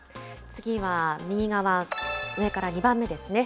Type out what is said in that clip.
次は右側、上から２番目ですね。